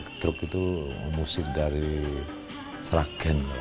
truk itu musik dari sragen